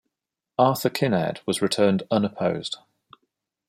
Arthur Kinnaird was returned unopposed.